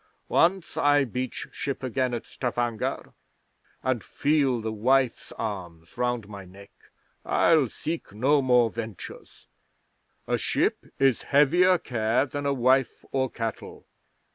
Once I beach ship again at Stavanger, and feel the wife's arms round my neck, I'll seek no more ventures. A ship is heavier care than a wife or cattle."